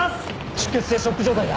出血性ショック状態だ。